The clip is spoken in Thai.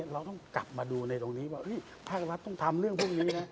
เราต้องกลับมาดูในตรงนี้ว่าภาครัฐต้องทำเรื่องพวกนี้นะ